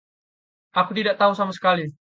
Aku tidak tahu sama sekali.